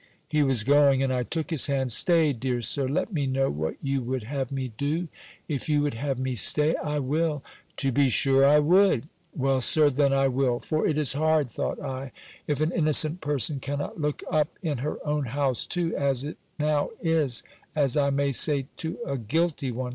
He was going, and I took his hand: "Stay, dear Sir, let me know what you would have me do. If you would have me stay, I will." "To be sure I would." "Well, Sir, then I will. For it is hard," thought I, "if an innocent person cannot look up in her own house too, as it now is, as I may say, to a guilty one!